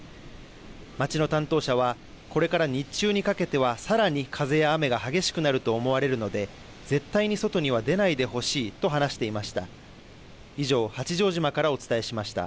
町の担当者はこれから日中にかけては、さらに風や雨が激しくなると思われるので、絶対に外には出ないでほしいと話していました。